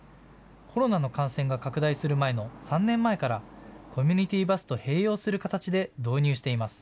コロナの感染が拡大する前の３年前からコミュニティーバスと併用する形で導入しています。